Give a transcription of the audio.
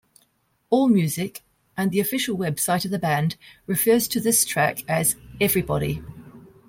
Allmusic and the official website of the band refers to this track as "Everybody".